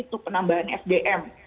untuk penambahan sdm